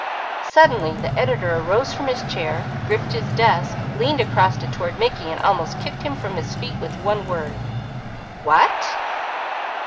Suddenly the editor arose from his chair, gripped his desk, leaned across it toward Mickey, and almost knocked him from his feet with one word. "_What?